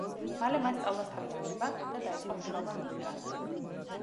მალე მან სწავლას თავი ანება და დაიწყო მუშაობა მიმტანად.